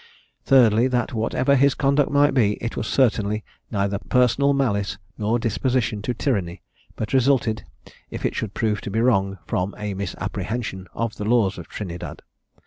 Thirdly, That whatever his conduct might be, it was certainly neither personal malice, nor disposition to tyranny, but resulted, if it should prove to be wrong, from a misapprehension of the laws of Trinidad.